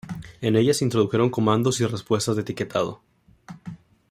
En ella se introdujeron comandos y respuestas de etiquetado.